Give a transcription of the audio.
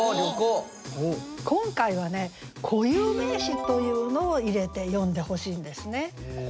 今回はね固有名詞というのを入れて詠んでほしいんですね。